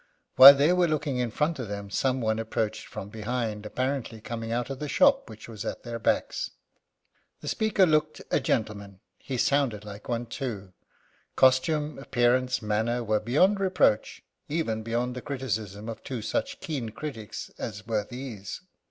While they were looking in front of them some one approached from behind, apparently coming out of the shop which was at their backs. The speaker looked a gentleman. He sounded like one, too. Costume, appearance, manner were beyond reproach even beyond the criticism of two such keen critics as were these.